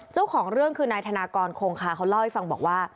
เจ้าของเรื่องคือนายธนากรคงคาเขาเล่าให้ฟังบอกว่า